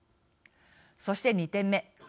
そして、２点目。